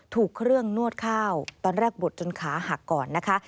ถูกเครื่องนวดข้าวตอนแรกบดจนขาหักก่อนนะคะ